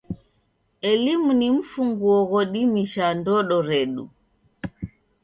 Elimu ni mfunguo ghodimisha ndodo redu.